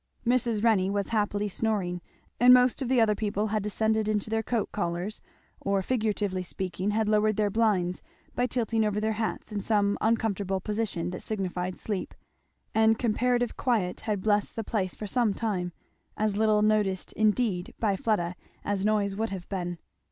Mrs. Renney was happily snoring, and most of the other people had descended into their coat collars, or figuratively speaking had lowered their blinds, by tilting over their hats in some uncomfortable position that signified sleep; and comparative quiet had blessed the place for some time; as little noticed indeed by Fleda as noise would have been.